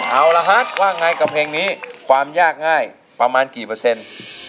เอาละฮะว่าไงกับเพลงนี้ความยากง่ายประมาณกี่เปอร์เซ็นต์